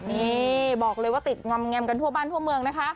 นี่บอกเลยว่าติดงำแงมกันทั่วบ้านทั่วเมืองนะคะ